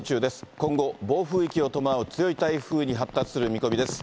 今後、暴風域を伴う強い台風に発達する見込みです。